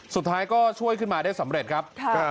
สุดท้ายก็ช่วยขึ้นมาได้สำเร็จครับ